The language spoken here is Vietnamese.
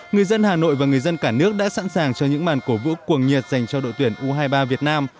người dân hà nội và người dân cả nước đã sẵn sàng cho những màn cổ vũ cuồng nhiệt dành cho đội tuyển u hai mươi ba việt nam